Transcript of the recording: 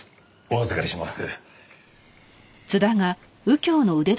お預かりします。